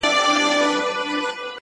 هغه ډېوه د نيمو شپو ده تور لوگى نــه دی،